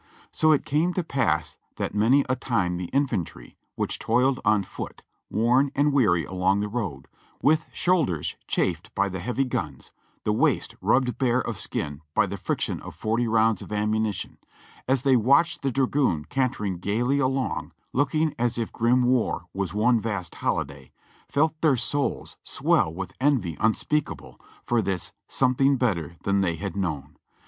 So it came to pass that many a time the infantry, which toiled on foot, worn and weary along the road, with shoulders chafed by the heavy guns, with waist rubbed bare of skin by the friction of forty rounds of am munition, as they watched the dragoon cantering gaily along looking as if grim war was one vast holiday, felt their souls swell with envy unspeakable for this "something better than they had known."